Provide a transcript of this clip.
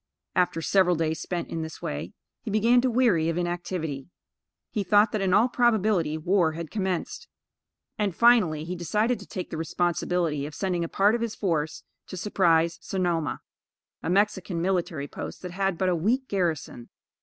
After several days spent in this way, he began to weary of inactivity. He thought that, in all probability, war had commenced; and, finally, he decided to take the responsibility of sending a part of his force to surprise Sonoma a Mexican military post that had but a weak garrison.